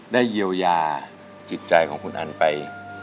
เยียวยาจิตใจของคุณอันไป